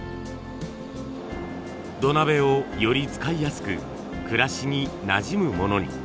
土鍋をより使いやすく暮らしになじむものに。